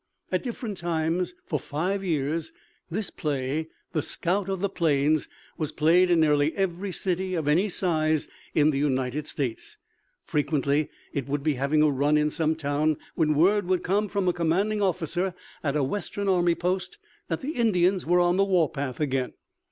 At different times for five years this play "The Scout of the Plains" was played in nearly every city of any size in the United States. Frequently it would be having a run in some town when word would come from a commanding officer at a Western army post that the Indians were on the warpath again.